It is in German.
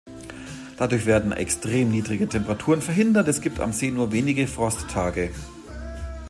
Dadurch werden extrem niedrige Temperaturen verhindert, es gibt am See nur wenige Frosttage.